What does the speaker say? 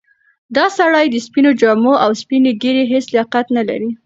دا سړی د سپینو جامو او سپینې ږیرې هیڅ لیاقت نه لري.